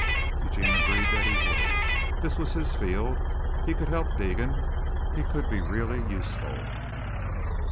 Eugene agreed that he would. This was his field. He could help Deegan. He could be really useful.